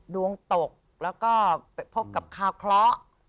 ดวงตกแล้วก็ไปพบกับคาวเคราะห์